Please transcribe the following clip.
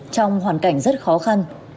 trong hoàn cảnh rất khó khăn